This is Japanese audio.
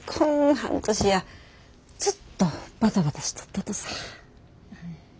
半年やずっとバタバタしとったとさ。